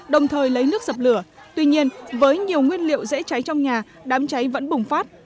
đồng thời lấy nước dập lửa tuy nhiên với nhiều nguyên liệu dễ cháy trong nhà đám cháy vẫn bùng phát